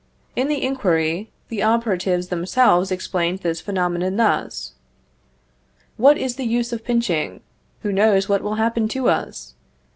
In the inquiry, the operatives themselves explained this phenomenon thus: "What is the use of pinching? Who knows what will happen to us?